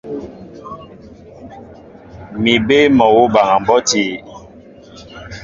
Mi bé mol awǔ baŋa mbɔ́ti.